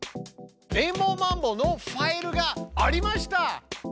レインボーマンボウのファイルがありました！